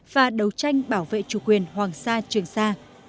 và đấu tranh bảo vệ chủ quyền hoàng sa trường sa